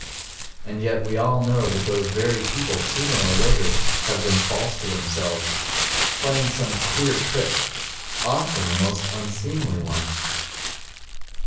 And yet we all know that those very people sooner or later have been false to themselves, playing some queer trick, often a most unseemly one.